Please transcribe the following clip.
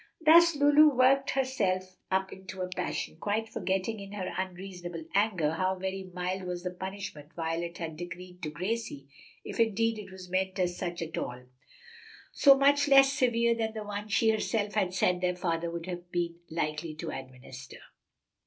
Thus Lulu worked herself up into a passion, quite forgetting, in her unreasonable anger, how very mild was the punishment Violet had decreed to Gracie (if indeed it was meant as such at all); so much less severe than the one she herself had said their father would have been likely to administer.